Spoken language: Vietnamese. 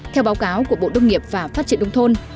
theo báo cáo của bộ đông nghiệp và phát triển đông thôn